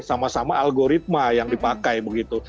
sama sama algoritma yang dipakai begitu